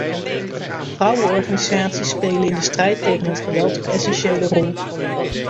Vrouwenorganisaties spelen in de strijd tegen het geweld een essentiële rol.